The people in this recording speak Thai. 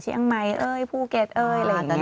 เชียงใหม่เอ้ยภูเก็ตเอ้ยอะไรอย่างนี้